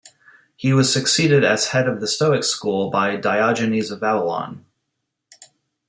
He was succeeded as head of the Stoic school by Diogenes of Babylon.